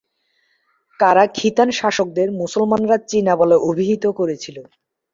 কারা-খিতান শাসকদের মুসলমানরা "চীনা" বলে অভিহিত করেছিল।